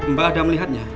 mbak ada melihatnya